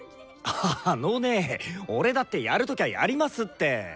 あのね俺だってやるときゃやりますって！